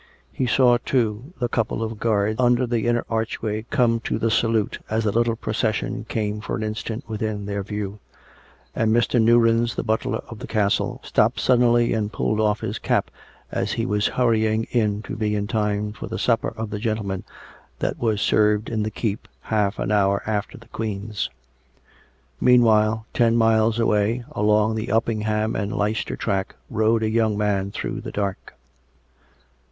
He saw, too, the couple of guards under the inner archway come to the salute as the little procession came for an in stant within their view; and Mr, Newrins, the butler of the castle, stop suddenly and pull off his cap as he was hurrying in to be in time for tlie supper of the gentlemen that was served in the keep half an hour after the Queen's. Meanwhile, ten miles away, along the Uppingham and Leicester track, rode a young man through the dark.